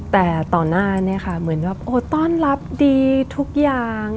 แต่ตอนหน้าเหมือนว่ากลอบต้อนรับดีทุกอย่าง